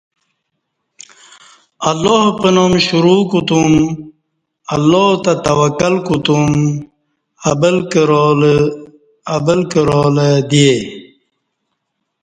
اللہ پنام شروع کوتوم اللہ تہ توکل کوتوم ابل کرالہ دے